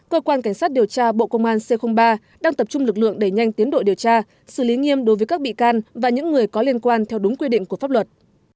cơ quan cảnh sát điều tra bộ công an c ba đang tập trung lực lượng đẩy nhanh tiến đội điều tra xử lý nghiêm đối với các bị can và những người có liên quan theo đúng quy định của pháp luật